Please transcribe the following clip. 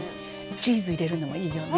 チーズ入れるのもいいよね。